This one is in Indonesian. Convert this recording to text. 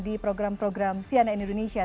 di program program cnn indonesia